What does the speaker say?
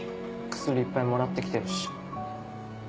薬いっぱいもらって来てるし。